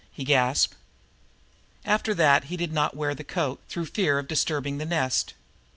he gasped. After that he did not wear the coat, through fear of disturbing the nest.